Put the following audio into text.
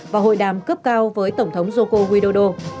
và hội đàm cấp cao với tổng thống joko widodo